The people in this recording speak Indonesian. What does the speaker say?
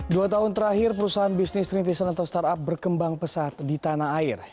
dua tahun terakhir perusahaan bisnis rintisan atau startup berkembang pesat di tanah air